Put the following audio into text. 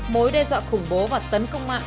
mối đe dọa khủng bố và tấn công mạng